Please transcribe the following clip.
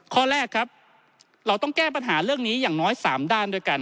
ข้อแรกครับเราต้องแก้ปัญหาเรื่องนี้อย่างน้อย๓ด้านด้วยกัน